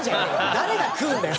誰が食うんだよ